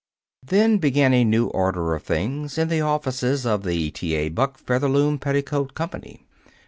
Then began a new order of things in the offices of the T. A. Buck Featherloom Petticoat Company.